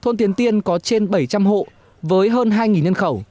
thôn tiến tiên có trên bảy trăm linh hộ với hơn hai nhân khẩu